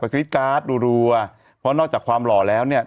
กรี๊ดการ์ดรัวเพราะนอกจากความหล่อแล้วเนี่ย